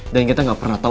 dan kita gak pernah tau